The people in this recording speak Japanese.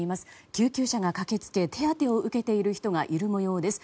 救急車が駆け付け手当てを受けている人がいる模様です。